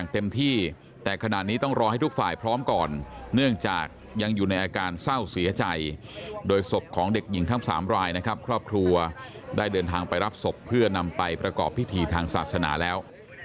เต็มที่แต่ขณะนี้ต้องรอให้ทุกฝ่ายพร้อมก่อนเนื่องจากยังอยู่ในอาการเศร้าเสียใจโดยศพของเด็กหญิงทั้ง๓รายนะครับครอบครัวได้เดินทางไปรับศพเพื่อนำไปประกอบพิธีทางศาสนาแล้ว